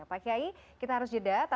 pak kiai kita harus jeda